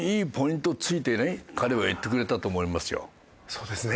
そうですね。